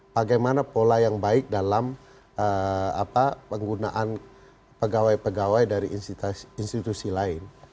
bagaimana pola yang baik dalam penggunaan pegawai pegawai dari institusi lain